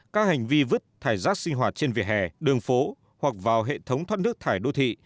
các hành vi vứt thải rác sinh hoạt trên vỉa hè đường phố hoặc vào hệ thống thoát nước thải đô thị